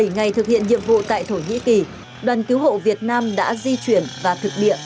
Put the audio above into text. bảy ngày thực hiện nhiệm vụ tại thổ nhĩ kỳ đoàn cứu hộ việt nam đã di chuyển và thực địa